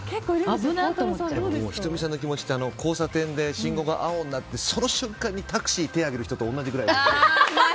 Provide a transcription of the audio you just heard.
仁美さんの気持ちって交差点で信号が青になってその瞬間にタクシー手を挙げる人と同じぐらいです。